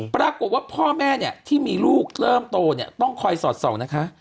ปรากฏว่าพ่อแม่เนี่ยที่มีลูกเริ่มโตเนี่ยต้องคอยสอดส่องนะคะ